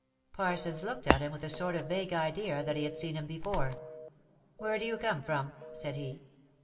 Parsons looked at him with a sort of vague idea^that he had seen him before. " Where do you come from ?" said he.